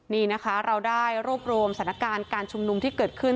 นี่นะคะเราได้รวบรวมสถานการณ์การชุมนุมที่เกิดขึ้น